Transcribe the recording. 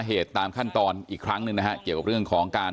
ใช่ตามจะมาหรือว่าเอาเรื่องเหรอ